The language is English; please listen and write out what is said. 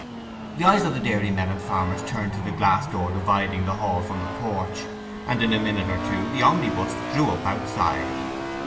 The eyes of the dairymen and farmers turned to the glass door dividing the hall from the porch, and in a minute or two the omnibus drew up outside.